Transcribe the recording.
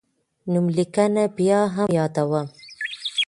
نوملیکنه بیا هم یادوم.